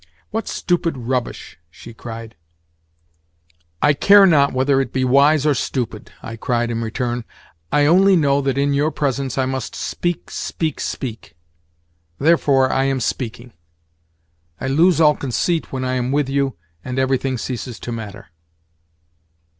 "What stupid rubbish!" she cried. "I care not whether it be wise or stupid," I cried in return. "I only know that in your presence I must speak, speak, speak. Therefore, I am speaking. I lose all conceit when I am with you, and everything ceases to matter."